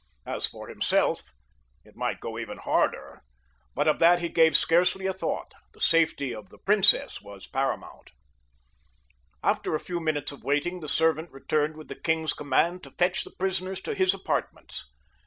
As for himself, it might go even harder, but of that he gave scarcely a thought—the safety of the princess was paramount. After a few minutes of waiting the servant returned with the king's command to fetch the prisoners to his apartments.